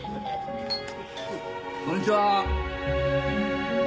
こんにちは。